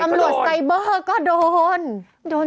ตำรวจไซเบอร์ก็โดน